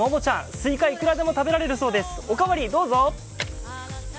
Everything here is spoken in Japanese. スイカ、いくらでも食べられるそうです、おかわりどうぞ！